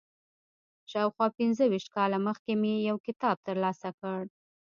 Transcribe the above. شاوخوا پنځه ویشت کاله مخکې مې یو کتاب تر لاسه کړ.